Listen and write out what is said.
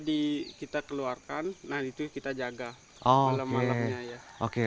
dia kita keluarkan nah itu kita jaga malam malamnya